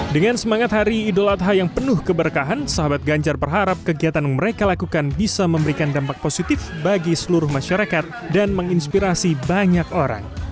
dengan semangat hari idul adha yang penuh keberkahan sahabat ganjar berharap kegiatan yang mereka lakukan bisa memberikan dampak positif bagi seluruh masyarakat dan menginspirasi banyak orang